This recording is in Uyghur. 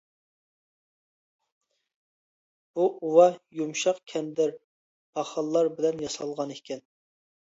بۇ ئۇۋا يۇمشاق كەندىر، پاخاللار بىلەن ياسالغانىكەن.